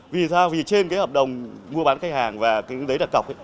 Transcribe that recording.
vì sao vì trên cái hợp đồng mua bán khách hàng và cái đấy đặt cọc